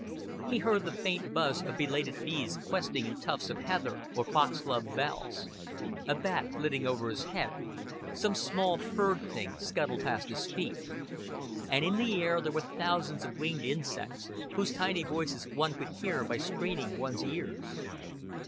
He heard the faint buzz of belated bees questing in tufts of heather or foxglove bells, a bat flitted over his head, some small furred thing scuttled past his feet; and in the air there were thousands of winged insects, whose tiny voices one could hear by straining one's ears.